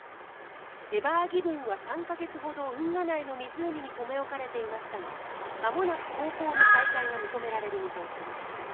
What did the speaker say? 「エバーギブン」は３か月ほど運河内の湖に留め置かれていましたがまもなく航行の再開が認められる見通しです。